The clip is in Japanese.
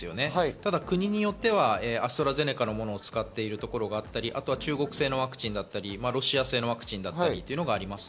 ただ国によってはアストラゼネカのものを使ってるところがあったり、中国製のワクチンだったり、ロシア製だったりがあります。